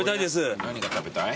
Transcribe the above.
何が食べたい？